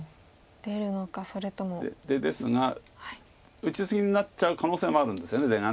出ですが打ち過ぎになっちゃう可能性もあるんですよね出が。